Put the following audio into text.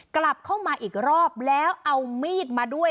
กลับเข้ามาอีกรอบแล้วเอามีดมาด้วย